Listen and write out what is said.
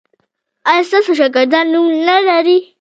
ایا ستاسو شاګردان نوم نلري؟